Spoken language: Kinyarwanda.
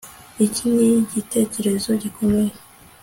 Iki nigitekerezo gikomeye